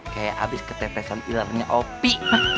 kayak habis ketepesan ularnya opi